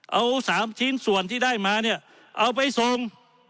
เอา๓ชิ้นส่วนที่ได้มาเนี่ยเอาไปส่ง